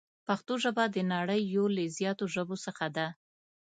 پښتو ژبه د نړۍ یو له زیاتو ژبو څخه ده.